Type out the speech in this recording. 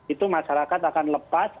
itu masyarakat akan lepas